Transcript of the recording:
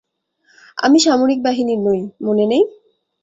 আমি সামরিক বাহিনীর নই, মনে নেই?